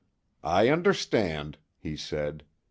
"I understand," he said.